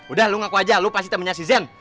udah lu ngaku aja lu pasti temannya si zen